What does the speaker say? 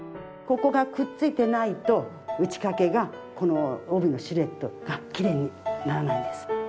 ここがくっついてないと打ち掛けがこの帯のシルエットがきれいにならないんです。